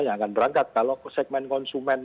yang akan berangkat kalau ke segmen konsumen